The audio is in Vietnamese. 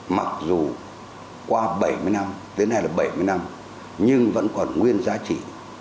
mặc dù qua bảy mươi năm tới nay là bảy mươi năm nhưng vẫn còn nguyên giá trị